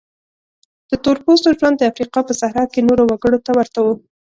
د تور پوستو ژوند د افریقا په صحرا کې نورو وګړو ته ورته و.